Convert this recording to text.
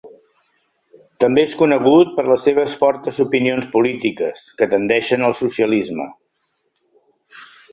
També és conegut per les seves fortes opinions polítiques, que tendeixen al socialisme.